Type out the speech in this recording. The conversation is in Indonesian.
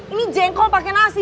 ini jengkol pake nasi